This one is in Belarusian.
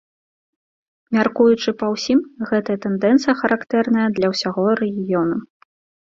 Мяркуючы па ўсім, гэтая тэндэнцыя характэрная для ўсяго рэгіёну.